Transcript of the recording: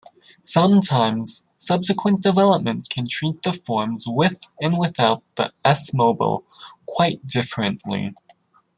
Sometimes subsequent developments can treat the forms with and without the s-mobile quite differently.